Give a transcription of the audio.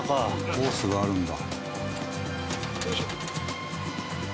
ホースがあるんだ。